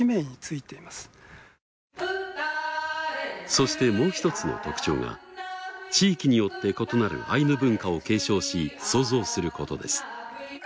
そしてもう一つの特徴が地域によって異なるアイヌ文化を継承し創造することです。